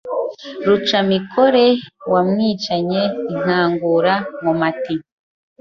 Rucamikore wamwicanye inkangura Nkomati